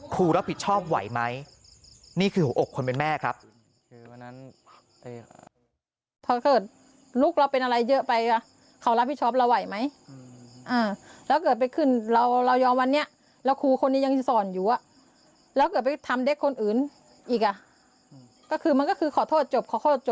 ครูรับผิดชอบไหวไหมนี่คือหัวอกคนเป็นแม่ครับ